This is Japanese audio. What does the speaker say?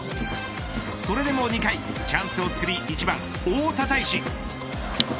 それでも２回チャンスをつくり１番、大田泰示。